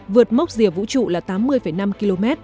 vượt mốc rìa vũ trụ là tám mươi năm km